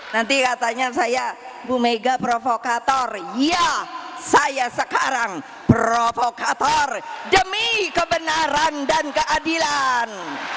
nanti katanya saya bu mega provokator ya saya sekarang provokator demi kebenaran dan keadilan